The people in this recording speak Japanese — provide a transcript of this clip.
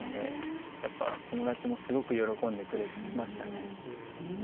友達もすごく喜んでくれました。